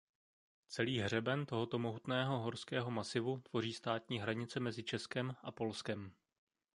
Celý hřeben tohoto mohutného horského masivu tvoří státní hranici mezi Českem a Polskem.